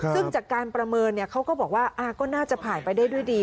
ซึ่งจากการประเมินเขาก็บอกว่าก็น่าจะผ่านไปได้ด้วยดี